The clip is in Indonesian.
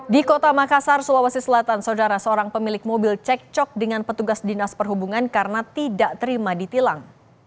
di kota makassar sulawesi selatan saudara seorang pemilik mobil cek cok dengan petugas dinas perhubungan karena tidak terima ditilang